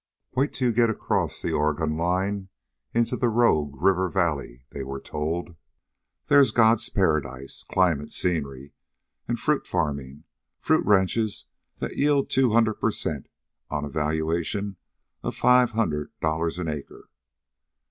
"Wait till you get across the Oregon line into the Rogue River Valley," they were told. "There's God's Paradise climate, scenery, and fruit farming; fruit ranches that yield two hundred per cent. on a valuation of five hundred dollars an acre."